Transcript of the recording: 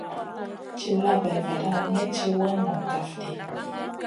Tilla bay vada may tì wana nong kaf ɗi.